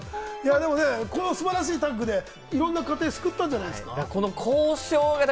でもね、この素晴らしいタッグでいろんな家庭を救ったんじゃないですか。